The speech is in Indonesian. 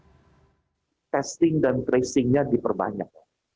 pada saat ini testing dan tracingnya diperbanyak